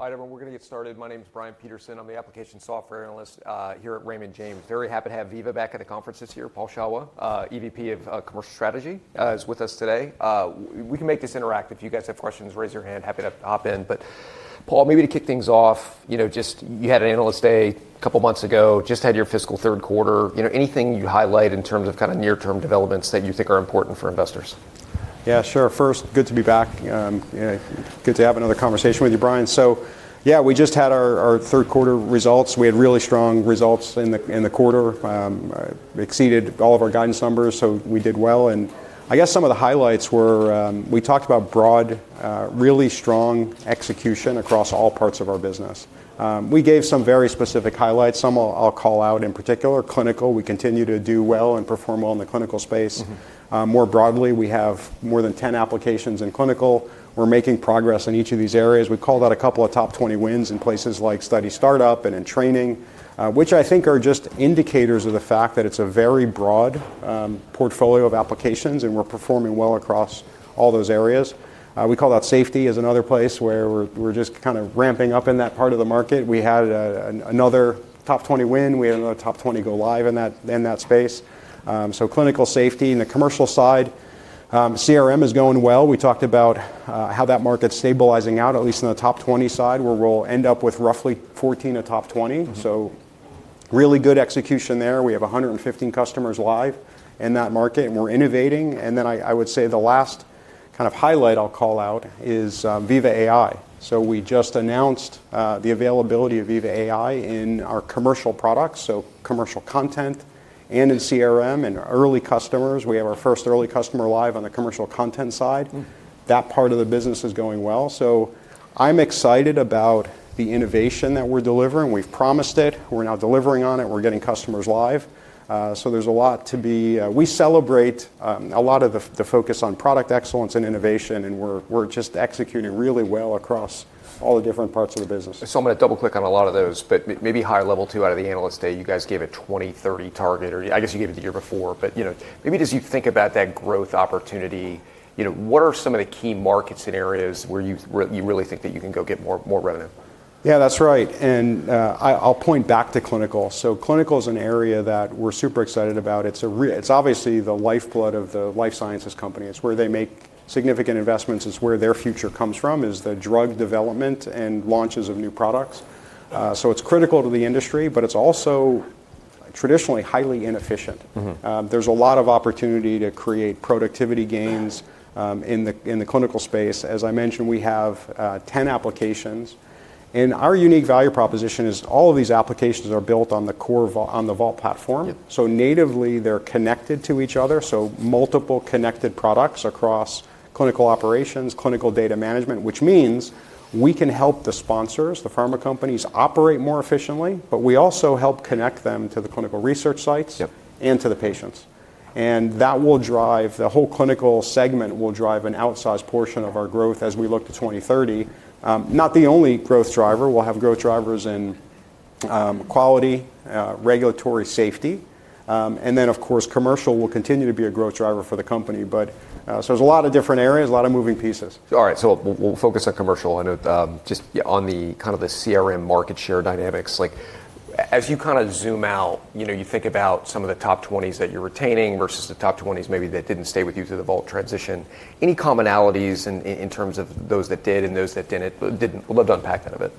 All right, everyone, we're going to get started. My name is Brian Peterson. I'm the Application Software Analyst here at Raymond James. Very happy to have Veeva back at the conference this year. Paul Shawah, EVP of Commercial Strategy, is with us today. We can make this interactive. If you guys have questions, raise your hand. Happy to hop in. But Paul, maybe to kick things off, you had an analyst day a couple of months ago. Just had your fiscal third quarter. Anything you'd highlight in terms of kind of near-term developments that you think are important for investors? Yeah, sure. First, good to be back. Good to have another conversation with you, Brian. So yeah, we just had our third quarter results. We had really strong results in the quarter. Exceeded all of our guidance numbers, so we did well, and I guess some of the highlights were we talked about broad, really strong execution across all parts of our business. We gave some very specific highlights. Some I'll call out in particular. Clinical, we continue to do well and perform well in the clinical space. More broadly, we have more than 10 applications in clinical. We're making progress in each of these areas. We call that a couple of Top 20 wins in places like Study Startup and in training, which I think are just indicators of the fact that it's a very broad portfolio of applications, and we're performing well across all those areas. We call that safety as another place where we're just kind of ramping up in that part of the market. We had another top 20 win. We had another top 20 go live in that space. So clinical safety. On the commercial side, CRM is going well. We talked about how that market's stabilizing out, at least on the top 20 side, where we'll end up with roughly 14 of top 20. So really good execution there. We have 115 customers live in that market, and we're innovating. And then I would say the last kind of highlight I'll call out is Veeva AI. So we just announced the availability of Veeva AI in our commercial products, so commercial content and in CRM and early customers. We have our first early customer live on the commercial content side. That part of the business is going well. So I'm excited about the innovation that we're delivering. We've promised it. We're now delivering on it. We're getting customers live. So there's a lot to be. We celebrate a lot of the focus on product excellence and innovation, and we're just executing really well across all the different parts of the business. So, I'm going to double-click on a lot of those, but maybe higher level too out of the analyst day. You guys gave a 2030 target, or I guess you gave it the year before. But maybe as you think about that growth opportunity, what are some of the key market scenarios where you really think that you can go get more revenue? Yeah, that's right, and I'll point back to clinical. Clinical is an area that we're super excited about. It's obviously the lifeblood of the life sciences company. It's where they make significant investments. It's where their future comes from, is the drug development and launches of new products. It's critical to the industry, but it's also traditionally highly inefficient. There's a lot of opportunity to create productivity gains in the clinical space. As I mentioned, we have 10 applications, and our unique value proposition is all of these applications are built on the Vault Platform. Natively, they're connected to each other. Multiple connected products across clinical operations, clinical data management, which means we can help the sponsors, the pharma companies, operate more efficiently, but we also help connect them to the clinical research sites and to the patients. That will drive the whole clinical segment an outsized portion of our growth as we look to 2030. Not the only growth driver. We'll have growth drivers in quality, regulatory safety. Then, of course, commercial will continue to be a growth driver for the company. So there's a lot of different areas, a lot of moving pieces. All right. So we'll focus on commercial. I know just on the kind of the CRM market share dynamics. As you kind of zoom out, you think about some of the top 20s that you're retaining versus the top 20s maybe that didn't stay with you through the Vault transition. Any commonalities in terms of those that did and those that didn't? Love to unpack that a bit.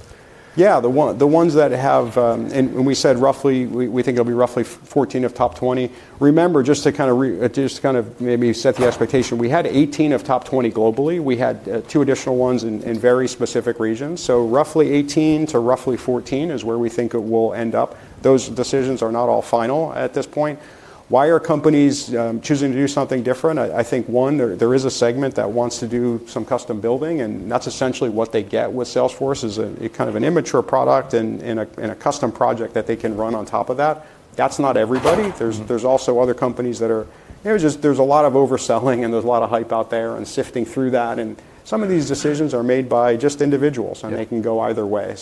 Yeah, the ones that have, and we said roughly we think it'll be roughly 14 of top 20. Remember, just to kind of maybe set the expectation, we had 18 of top 20 globally. We had two additional ones in very specific regions. So roughly 18 to roughly 14 is where we think it will end up. Those decisions are not all final at this point. Why are companies choosing to do something different? I think, one, there is a segment that wants to do some custom building, and that's essentially what they get with Salesforce, is kind of an immature product and a custom project that they can run on top of that. That's not everybody. There's also other companies that are. There's a lot of overselling, and there's a lot of hype out there and sifting through that. Some of these decisions are made by just individuals, and they can go either way.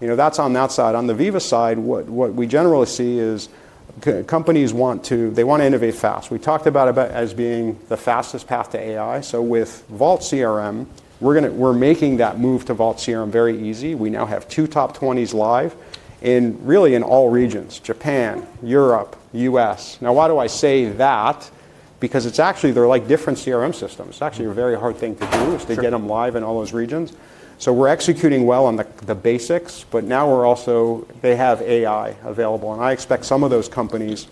That's on that side. On the Veeva side, what we generally see is companies want to innovate fast. We talked about it as being the fastest path to AI. With Vault CRM, we're making that move to Vault CRM very easy. We now have two top 20s live in really all regions: Japan, Europe, US. Now, why do I say that? Because it's actually they're like different CRM systems. It's actually a very hard thing to do, is to get them live in all those regions. We're executing well on the basics, but now they have AI available. I expect some of those companies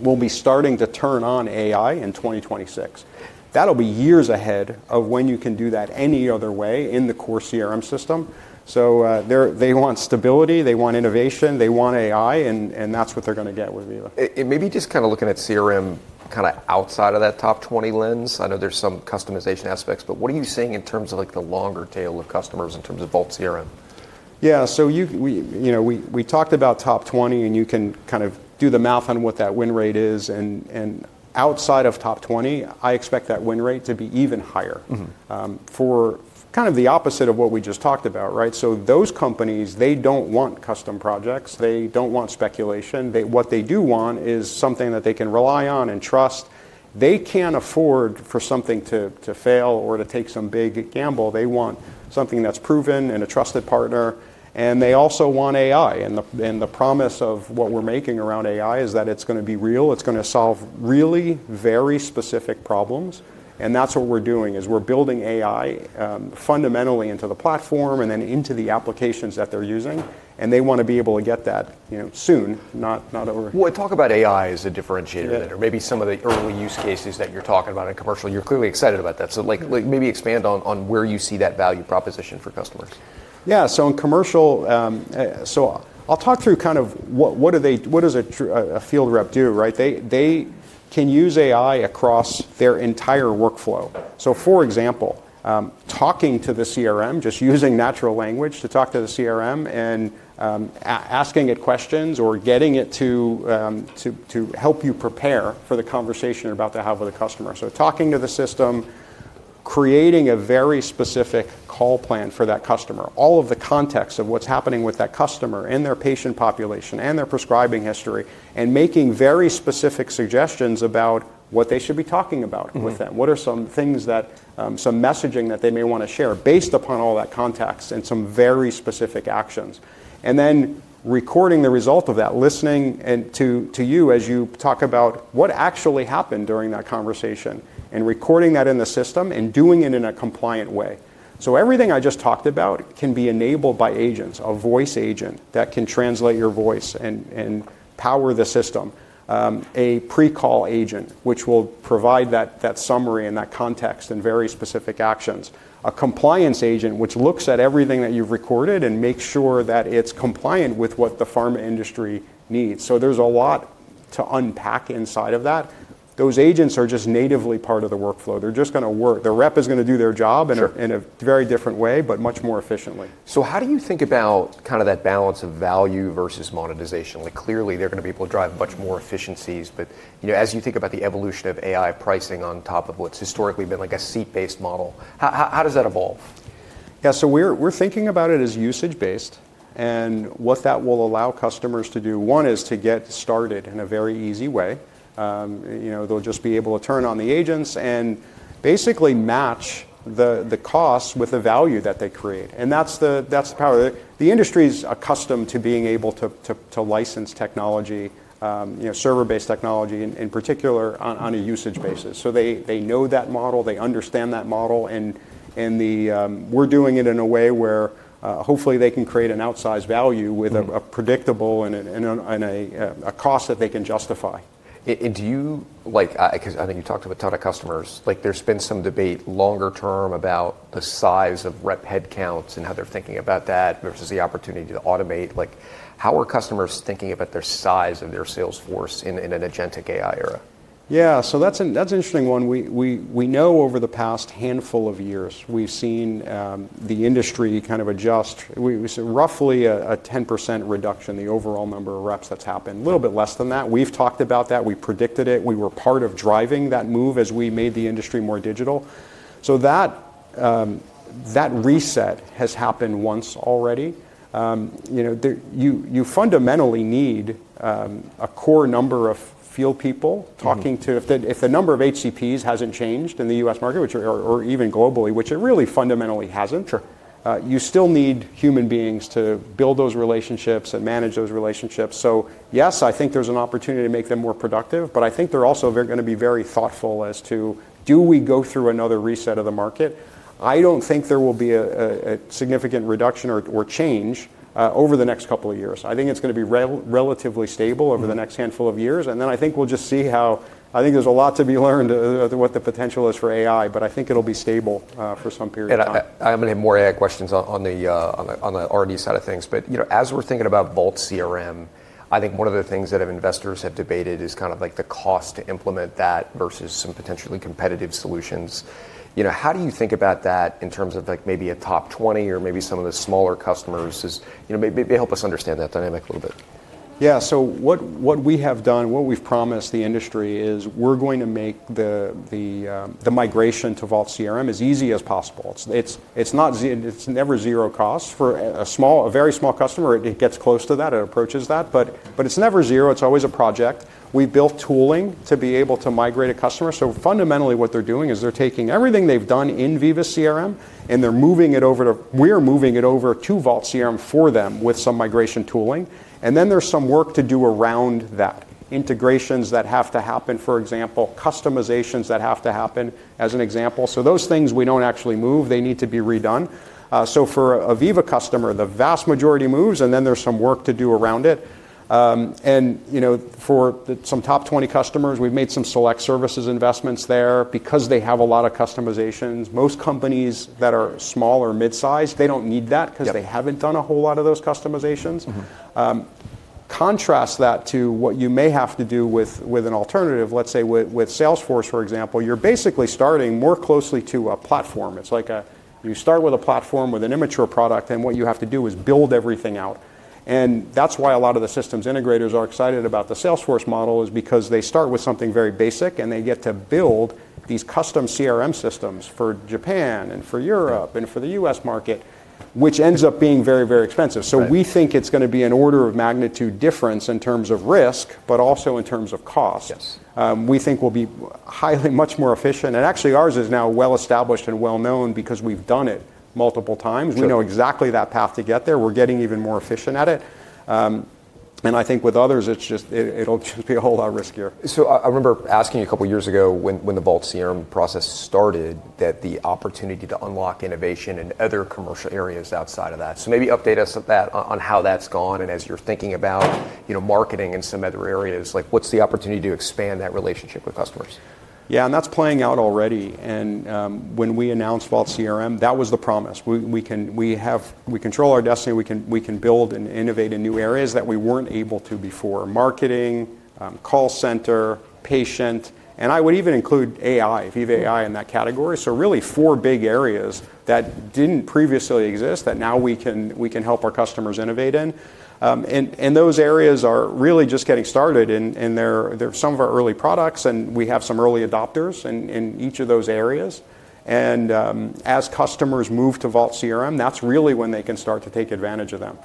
will be starting to turn on AI in 2026. That'll be years ahead of when you can do that any other way in the core CRM system. So they want stability. They want innovation. They want AI, and that's what they're going to get with Veeva. And maybe just kind of looking at CRM kind of outside of that top 20 lens. I know there's some customization aspects, but what are you seeing in terms of the longer tail of customers in terms of Vault CRM? Yeah. So we talked about top 20, and you can kind of do the math on what that win rate is. And outside of top 20, I expect that win rate to be even higher for kind of the opposite of what we just talked about, right? So those companies, they don't want custom projects. They don't want speculation. What they do want is something that they can rely on and trust. They can't afford for something to fail or to take some big gamble. They want something that's proven and a trusted partner. And they also want AI. And the promise of what we're making around AI is that it's going to be real. It's going to solve really very specific problems. And that's what we're doing, is we're building AI fundamentally into the platform and then into the applications that they're using. They want to be able to get that soon, not over. Talk about AI as a differentiator there, or maybe some of the early use cases that you're talking about in commercial. You're clearly excited about that. Maybe expand on where you see that value proposition for customers. Yeah. So in commercial, so I'll talk through kind of what does a field rep do, right? They can use AI across their entire workflow. So for example, talking to the CRM, just using natural language to talk to the CRM and asking it questions or getting it to help you prepare for the conversation you're about to have with a customer. So talking to the system, creating a very specific call plan for that customer, all of the context of what's happening with that customer and their patient population and their prescribing history, and making very specific suggestions about what they should be talking about with them. What are some things that some messaging that they may want to share based upon all that context and some very specific actions? And then recording the result of that, listening to you as you talk about what actually happened during that conversation and recording that in the system and doing it in a compliant way. So everything I just talked about can be enabled by agents, a voice agent that can translate your voice and power the system, a pre-call agent, which will provide that summary and that context and very specific actions, a compliance agent, which looks at everything that you've recorded and makes sure that it's compliant with what the pharma industry needs. So there's a lot to unpack inside of that. Those agents are just natively part of the workflow. They're just going to work. The rep is going to do their job in a very different way, but much more efficiently. So how do you think about kind of that balance of value versus monetization? Clearly, they're going to be able to drive much more efficiencies. But as you think about the evolution of AI pricing on top of what's historically been like a seat-based model, how does that evolve? Yeah. So we're thinking about it as usage-based. And what that will allow customers to do, one is to get started in a very easy way. They'll just be able to turn on the agents and basically match the cost with the value that they create. And that's the power. The industry is accustomed to being able to license technology, server-based technology in particular, on a usage basis. So they know that model. They understand that model. And we're doing it in a way where hopefully they can create an outsized value with a predictable and a cost that they can justify. Because I know you talked to a ton of customers. There's been some debate longer term about the size of rep headcounts and how they're thinking about that versus the opportunity to automate. How are customers thinking about their size of their sales force in an agentic AI era? Yeah. So that's an interesting one. We know over the past handful of years, we've seen the industry kind of adjust. We saw roughly a 10% reduction in the overall number of reps that's happened, a little bit less than that. We've talked about that. We predicted it. We were part of driving that move as we made the industry more digital. So that reset has happened once already. You fundamentally need a core number of field people talking to. If the number of HCPs hasn't changed in the U.S. market, or even globally, which it really fundamentally hasn't, you still need human beings to build those relationships and manage those relationships. So yes, I think there's an opportunity to make them more productive. But I think they're also going to be very thoughtful as to, do we go through another reset of the market? I don't think there will be a significant reduction or change over the next couple of years. I think it's going to be relatively stable over the next handful of years. And then I think we'll just see how I think there's a lot to be learned, what the potential is for AI, but I think it'll be stable for some period of time. I'm going to have more AI questions on the R&D side of things. But as we're thinking about Vault CRM, I think one of the things that investors have debated is kind of like the cost to implement that versus some potentially competitive solutions. How do you think about that in terms of maybe a top 20 or maybe some of the smaller customers? Maybe help us understand that dynamic a little bit. Yeah. So what we have done, what we've promised the industry is we're going to make the migration to Vault CRM as easy as possible. It's never zero cost. For a very small customer, it gets close to that. It approaches that. But it's never zero. It's always a project. We've built tooling to be able to migrate a customer. So fundamentally, what they're doing is they're taking everything they've done in Veeva CRM, and they're moving it over to. We're moving it over to Vault CRM for them with some migration tooling. And then there's some work to do around that, integrations that have to happen, for example, customizations that have to happen, as an example. So those things we don't actually move. They need to be redone. So for a Veeva customer, the vast majority moves, and then there's some work to do around it. And for some top 20 customers, we've made some select services investments there because they have a lot of customizations. Most companies that are small or mid-sized, they don't need that because they haven't done a whole lot of those customizations. Contrast that to what you may have to do with an alternative, let's say with Salesforce, for example. You're basically starting more closely to a platform. It's like you start with a platform with an immature product, and what you have to do is build everything out. And that's why a lot of the systems integrators are excited about the Salesforce model, is because they start with something very basic, and they get to build these custom CRM systems for Japan and for Europe and for the US market, which ends up being very, very expensive. So we think it's going to be an order of magnitude difference in terms of risk, but also in terms of cost. We think we'll be highly much more efficient. And actually, ours is now well established and well known because we've done it multiple times. We know exactly that path to get there. We're getting even more efficient at it. And I think with others, it'll just be a whole lot riskier. So, I remember asking you a couple of years ago when the Vault CRM process started that the opportunity to unlock innovation in other commercial areas outside of that. So, maybe update us on that, on how that's gone and as you're thinking about marketing in some other areas, what's the opportunity to expand that relationship with customers? Yeah. And that's playing out already. And when we announced Vault CRM, that was the promise. We control our destiny. We can build and innovate in new areas that we weren't able to before: marketing, call center, patient. And I would even include AI, Veeva AI in that category. So really four big areas that didn't previously exist that now we can help our customers innovate in. And those areas are really just getting started. And they're some of our early products, and we have some early adopters in each of those areas. And as customers move to Vault CRM, that's really when they can start to take advantage of them.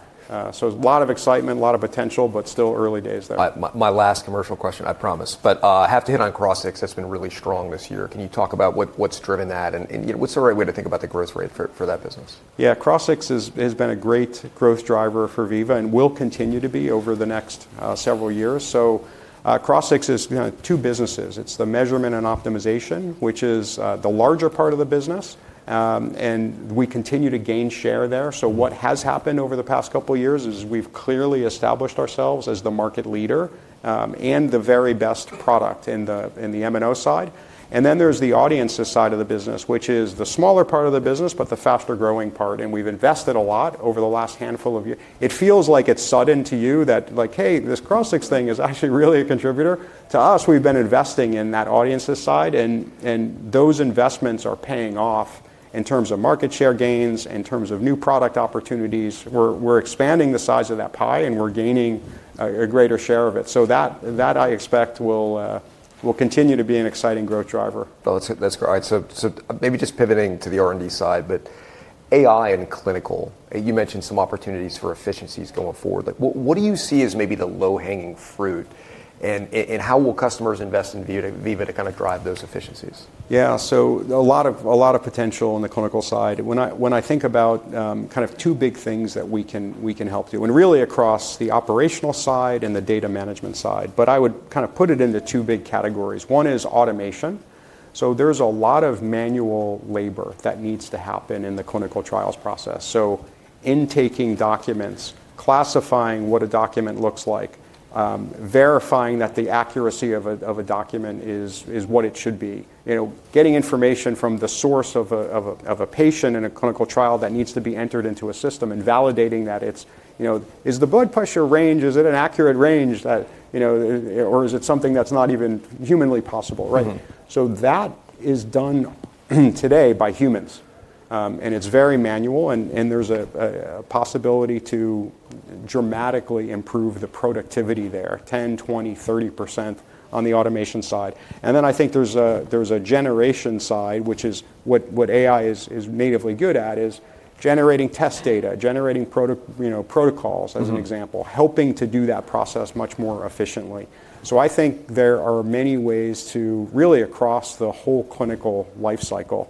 So a lot of excitement, a lot of potential, but still early days there. My last commercial question, I promise. But I have to hit on Crossix. It's been really strong this year. Can you talk about what's driven that? And what's the right way to think about the growth rate for that business? Yeah. Crossix has been a great growth driver for Veeva and will continue to be over the next several years. So Crossix is two businesses. It's the measurement and optimization, which is the larger part of the business. And we continue to gain share there. So what has happened over the past couple of years is we've clearly established ourselves as the market leader and the very best product in the M&O side. And then there's the audience side of the business, which is the smaller part of the business, but the faster growing part. And we've invested a lot over the last handful of years. It feels like it's sudden to you that, like, hey, this Crossix thing is actually really a contributor. To us, we've been investing in that audience side. Those investments are paying off in terms of market share gains, in terms of new product opportunities. We're expanding the size of that pie, and we're gaining a greater share of it. That, I expect, will continue to be an exciting growth driver. That's great. So maybe just pivoting to the R&D side, but AI and clinical, you mentioned some opportunities for efficiencies going forward. What do you see as maybe the low-hanging fruit? And how will customers invest in Veeva to kind of drive those efficiencies? Yeah. So a lot of potential on the clinical side. When I think about kind of two big things that we can help do, and really across the operational side and the data management side, but I would kind of put it into two big categories. One is automation. So there's a lot of manual labor that needs to happen in the clinical trials process. So intaking documents, classifying what a document looks like, verifying that the accuracy of a document is what it should be, getting information from the source of a patient in a clinical trial that needs to be entered into a system and validating that it's, is the blood pressure range? Is it an accurate range? Or is it something that's not even humanly possible, right? So that is done today by humans. And it's very manual. And there's a possibility to dramatically improve the productivity there, 10%, 20%, 30% on the automation side. And then I think there's a generation side, which is what AI is natively good at, is generating test data, generating protocols, as an example, helping to do that process much more efficiently. So I think there are many ways to really across the whole clinical lifecycle,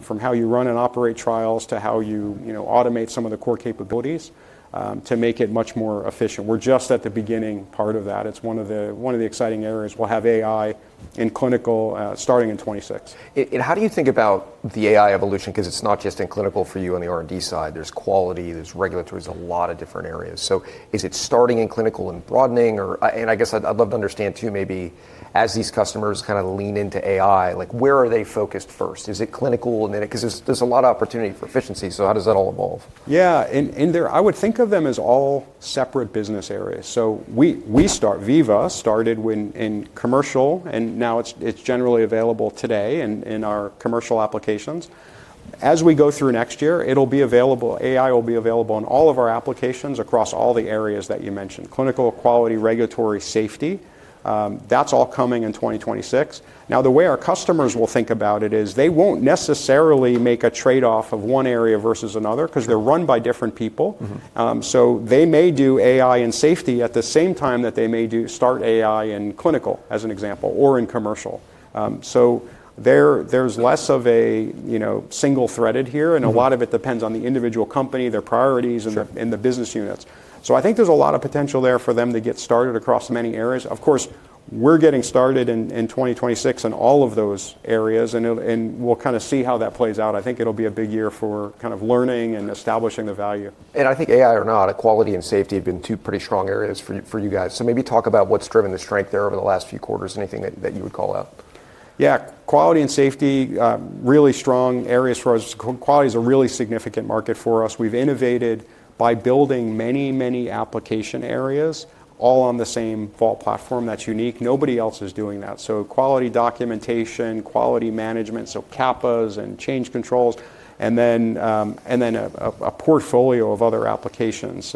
from how you run and operate trials to how you automate some of the core capabilities to make it much more efficient. We're just at the beginning part of that. It's one of the exciting areas. We'll have AI in clinical starting in 2026. And how do you think about the AI evolution? Because it's not just in clinical for you on the R&D side. There's quality, there's regulatory, there's a lot of different areas. So is it starting in clinical and broadening? And I guess I'd love to understand too, maybe as these customers kind of lean into AI, where are they focused first? Is it clinical? Because there's a lot of opportunity for efficiency. So how does that all evolve? Yeah, and I would think of them as all separate business areas. So Veeva started in commercial, and now it's generally available today in our commercial applications. As we go through next year, it'll be available. AI will be available in all of our applications across all the areas that you mentioned: clinical, quality, regulatory, safety. That's all coming in 2026. Now, the way our customers will think about it is they won't necessarily make a trade-off of one area versus another because they're run by different people. So they may do AI and safety at the same time that they may start AI in clinical, as an example, or in commercial. So there's less of a single-threaded here. And a lot of it depends on the individual company, their priorities, and the business units. So I think there's a lot of potential there for them to get started across many areas. Of course, we're getting started in 2026 in all of those areas. And we'll kind of see how that plays out. I think it'll be a big year for kind of learning and establishing the value. And I think AI or not, quality and safety have been two pretty strong areas for you guys. So maybe talk about what's driven the strength there over the last few quarters, anything that you would call out. Yeah. Quality and safety, really strong areas for us. Quality is a really significant market for us. We've innovated by building many, many application areas all on the same Vault Platform. That's unique. Nobody else is doing that. So quality documentation, quality management, so CAPAs and change controls, and then a portfolio of other applications: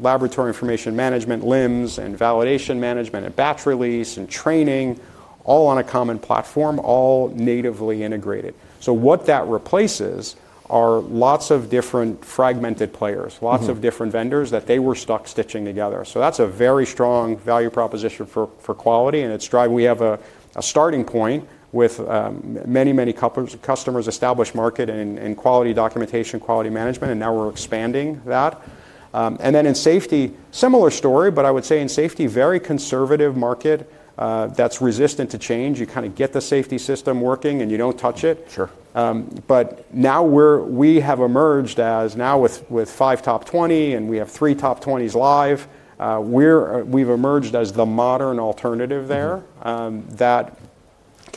laboratory information management, LIMS and validation management, and batch release and training, all on a common platform, all natively integrated. So what that replaces are lots of different fragmented players, lots of different vendors that they were stuck stitching together. So that's a very strong value proposition for quality, and we have a starting point with many, many customers, established market in quality documentation, quality management, and now we're expanding that, and then in safety, similar story, but I would say in safety, very conservative market that's resistant to change. You kind of get the safety system working, and you don't touch it. But now we have emerged as now with five top 20, and we have three top 20s live. We've emerged as the modern alternative there that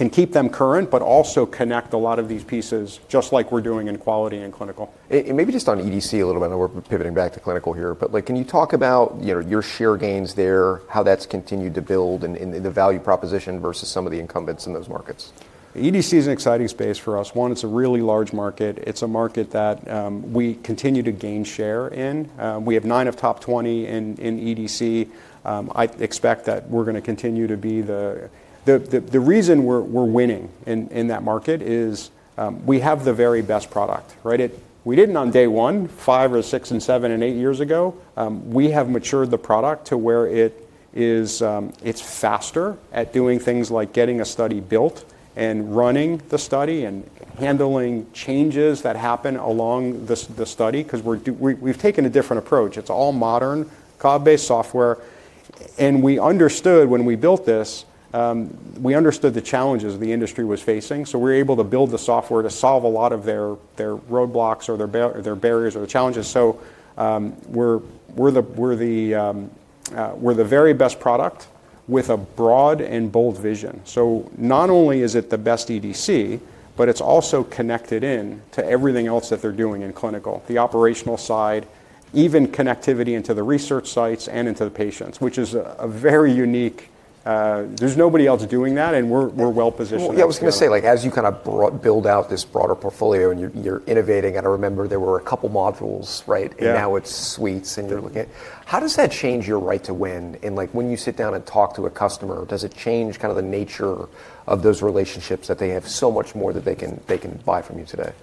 can keep them current, but also connect a lot of these pieces just like we're doing in quality and clinical. And maybe just on EDC a little bit. I know we're pivoting back to clinical here. But can you talk about your share gains there, how that's continued to build, and the value proposition versus some of the incumbents in those markets? EDC is an exciting space for us. One, it's a really large market. It's a market that we continue to gain share in. We have nine of top 20 in EDC. I expect that we're going to continue to be the reason we're winning in that market is we have the very best product. We didn't on day one, five or six and seven and eight years ago. We have matured the product to where it's faster at doing things like getting a study built and running the study and handling changes that happen along the study because we've taken a different approach. It's all modern cloud-based software. We understood when we built this, we understood the challenges the industry was facing. We're able to build the software to solve a lot of their roadblocks or their barriers or the challenges. We're the very best product with a broad and bold vision. Not only is it the best EDC, but it's also connected in to everything else that they're doing in clinical, the operational side, even connectivity into the research sites and into the patients, which is a very unique. There's nobody else doing that, and we're well positioned. Yeah. I was going to say, as you kind of build out this broader portfolio and you're innovating, I remember there were a couple of modules, right? And now it's suites, and you're looking at how does that change your right to win? And when you sit down and talk to a customer, does it change kind of the nature of those relationships that they have so much more that they can buy from you today?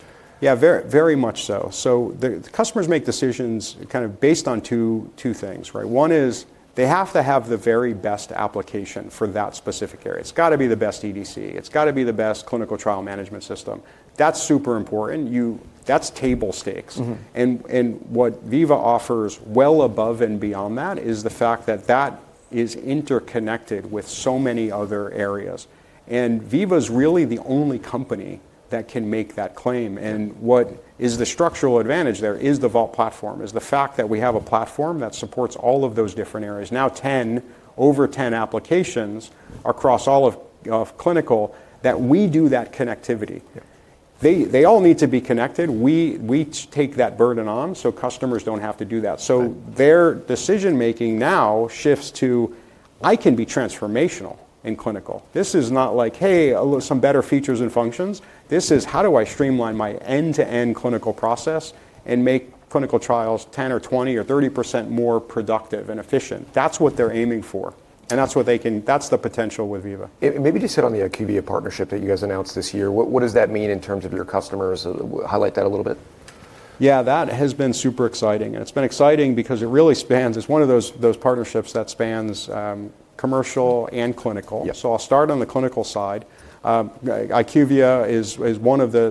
Yeah, very much so. So customers make decisions kind of based on two things. One is they have to have the very best application for that specific area. It's got to be the best EDC. It's got to be the best clinical trial management system. That's super important. That's table stakes. And what Veeva offers well above and beyond that is the fact that that is interconnected with so many other areas. And Veeva is really the only company that can make that claim. And what is the structural advantage there is the Vault platform, is the fact that we have a platform that supports all of those different areas. Now, over 10 applications across all of clinical that we do that connectivity. They all need to be connected. We take that burden on so customers don't have to do that. Their decision-making now shifts to, I can be transformational in clinical. This is not like, hey, some better features and functions. This is, how do I streamline my end-to-end clinical process and make clinical trials 10% or 20% or 30% more productive and efficient. That's what they're aiming for. And that's what they can. That's the potential with Veeva. Maybe just hit on the IQVIA partnership that you guys announced this year. What does that mean in terms of your customers? Highlight that a little bit. Yeah. That has been super exciting. And it's been exciting because it really spans. It's one of those partnerships that spans commercial and clinical. So I'll start on the clinical side. IQVIA is one of the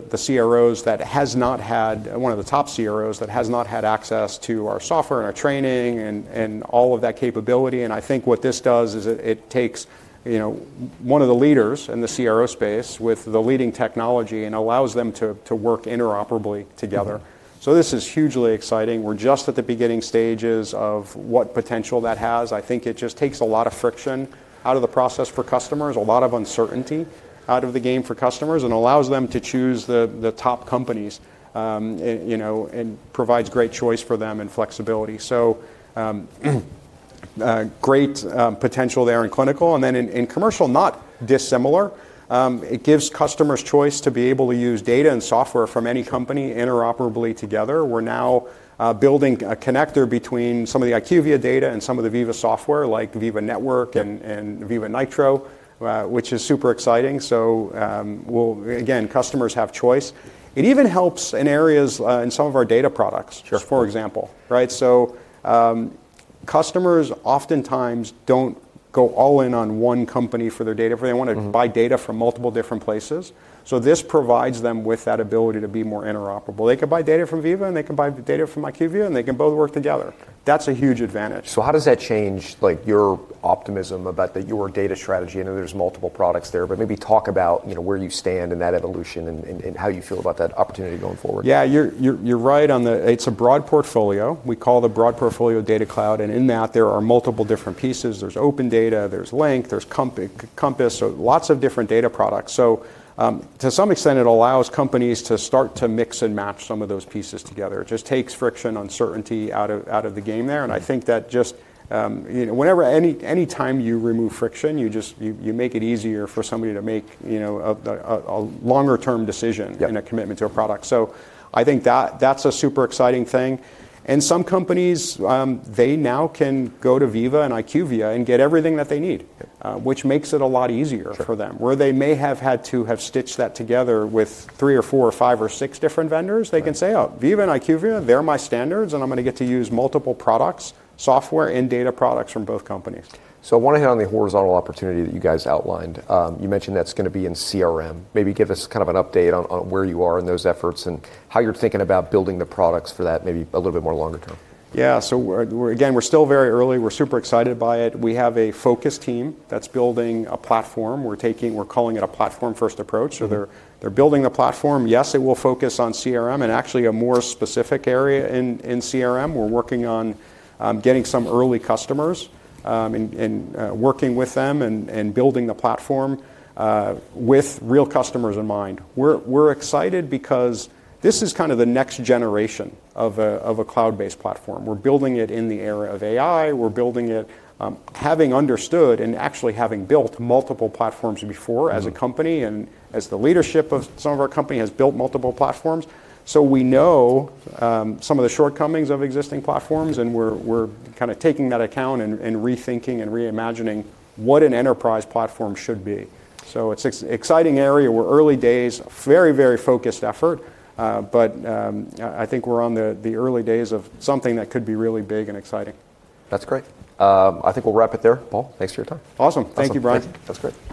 top CROs that has not had access to our software and our training and all of that capability. And I think what this does is it takes one of the leaders in the CRO space with the leading technology and allows them to work interoperate together. So this is hugely exciting. We're just at the beginning stages of what potential that has. I think it just takes a lot of friction out of the process for customers, a lot of uncertainty out of the game for customers, and allows them to choose the top companies and provides great choice for them and flexibility. So, great potential there in clinical. And then in commercial, not dissimilar. It gives customers choice to be able to use data and software from any company interoperably together. We're now building a connector between some of the IQVIA data and some of the Veeva software like Veeva Network and Veeva Nitro, which is super exciting. So again, customers have choice. It even helps in areas in some of our data products, for example. So customers oftentimes don't go all in on one company for their data, for they want to buy data from multiple different places. So this provides them with that ability to be more interoperable. They can buy data from Veeva, and they can buy data from IQVIA, and they can both work together. That's a huge advantage. So how does that change your optimism about your data strategy? I know there's multiple products there, but maybe talk about where you stand in that evolution and how you feel about that opportunity going forward. Yeah. You're right on that. It's a broad portfolio. We call the broad portfolio Data Cloud. And in that, there are multiple different pieces. There's OpenData, there's Link, there's Compass, so lots of different data products. So to some extent, it allows companies to start to mix and match some of those pieces together. It just takes friction, uncertainty out of the game there. And I think that just whenever any time you remove friction, you make it easier for somebody to make a longer-term decision and a commitment to a product. So I think that's a super exciting thing. And some companies, they now can go to Veeva and IQVIA and get everything that they need, which makes it a lot easier for them. Where they may have had to have stitched that together with three or four or five or six different vendors, they can say, oh, Veeva and IQVIA, they're my standards, and I'm going to get to use multiple products, software, and data products from both companies. So I want to hit on the horizontal opportunity that you guys outlined. You mentioned that's going to be in CRM. Maybe give us kind of an update on where you are in those efforts and how you're thinking about building the products for that maybe a little bit more longer term. Yeah. So again, we're still very early. We're super excited by it. We have a focus team that's building a platform. We're calling it a platform-first approach. So they're building the platform. Yes, it will focus on CRM and actually a more specific area in CRM. We're working on getting some early customers and working with them and building the platform with real customers in mind. We're excited because this is kind of the next generation of a cloud-based platform. We're building it in the era of AI. We're building it having understood and actually having built multiple platforms before as a company and as the leadership of some of our company has built multiple platforms. So we know some of the shortcomings of existing platforms, and we're kind of taking that into account and rethinking and reimagining what an enterprise platform should be. So it's an exciting area. We're early days, very, very focused effort. But I think we're on the early days of something that could be really big and exciting. That's great. I think we'll wrap it there. Paul, thanks for your time. Awesome. Thank you, Brian. Thank you. That's great.